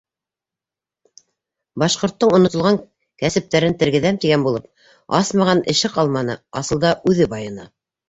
Башҡорттоң онотолған кәсептәрен тергеҙәм тигән булып, асмаған эше ҡалманы, асылда үҙе байыны.